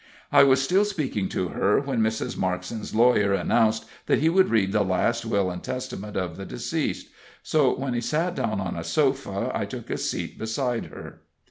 I was still speaking to her when Mrs. Markson's lawyer announced that he would read the last will and testament of the deceased; so, when she sat down on a sofa, I took a seat beside her.